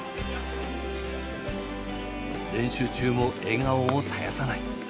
練習中も笑顔を絶やさない。